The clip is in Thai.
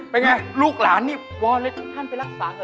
เป็นอย่างไรลูกหลานนี่วอเลสท่านไปรักษาเถอะ